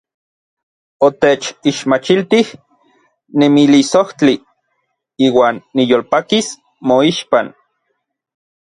Otechixmachiltij nemilisojtli; iuan niyolpakis moixpan.